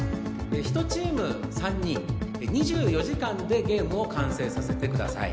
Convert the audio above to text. １チーム３人２４時間でゲームを完成させてください